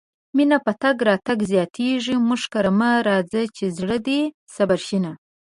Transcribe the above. مينه په تګ راتګ زياتيږي مونږ کره مه راځه چې زړه دې صبر شينه